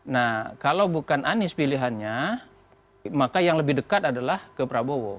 nah kalau bukan anies pilihannya maka yang lebih dekat adalah ke prabowo